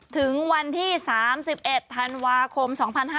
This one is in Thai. ถึงวันที่๓๑ธันวาคม